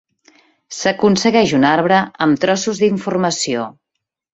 S'aconsegueix un arbre amb trossos d'informació.